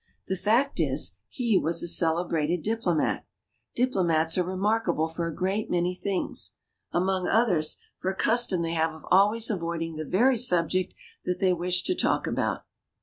The fact is, he was a celebrated diplo mat. Diplomats are remarkable for a great many things ; among others, for a custom they have of always avoiding the very subjects that they wish to talk about.